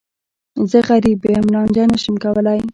زه غریب یم، لانجه نه شم کولای.